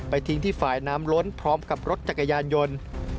ทิ้งที่ฝ่ายน้ำล้นพร้อมกับรถจักรยานยนต์